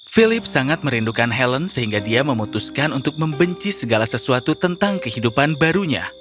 philip sangat merindukan helen sehingga dia memutuskan untuk membenci segala sesuatu tentang kehidupan barunya